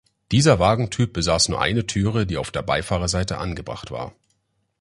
Dieser Wagentyp besaß nur eine Türe, die auf der Beifahrerseite angebracht war.